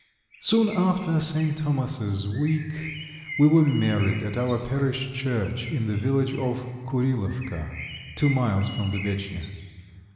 Soon after St. Thomas's week we were married at our parish church in the village of Kurilovka, two miles from Dubetchnya.